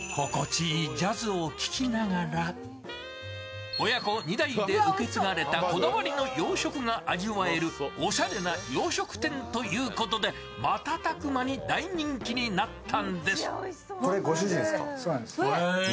いいジャズを聴きながら親子２代で受け継がれたこだわりの洋食が味わえるおしゃれな洋食店ということで瞬く間に大人気になったんです。